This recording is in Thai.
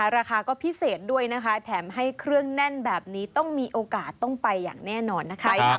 ราคาก็พิเศษด้วยนะคะแถมให้เครื่องแน่นแบบนี้ต้องมีโอกาสต้องไปอย่างแน่นอนนะคะ